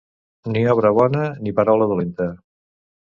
Ni obra bona ni paraula dolenta.